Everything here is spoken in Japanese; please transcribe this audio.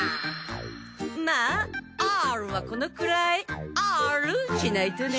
まあＲはこのくらいＲしないとね。